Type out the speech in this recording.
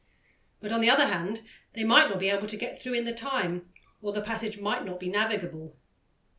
But, on the other hand, they might not be able to get through in the time, or the passage might not be navigable.